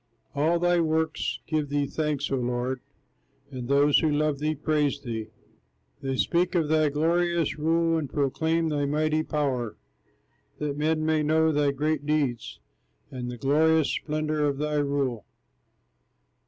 All thy works give thee thanks, O Lord, And those who love thee praise thee, They speak of thy glorious rule, And proclaim thy mighty power, That men may know thy great deeds, And the glorious splendor of thy rule.